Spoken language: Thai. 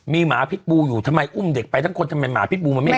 มีหมาพิษบูอยู่ทำไมอุ้มเด็กไปทั้งคนทำไมหมาพิษบูมันไม่